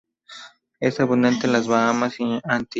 Es abundante en las Bahamas y Antillas.